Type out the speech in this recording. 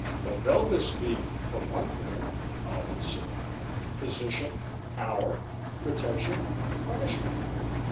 "The Belbis beam, for one thing," Albin said. "Position, power, protection, punishment.